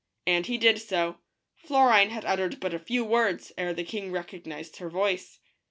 And he did so. Florine had uttered but a few words ere the king recognized her voice.